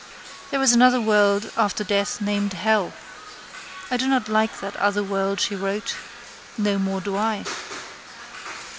There is another world after death named hell. I do not like that other world she wrote. No more do I.